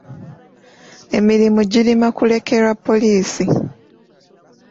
Emirimu girima kulekerwa poliisi.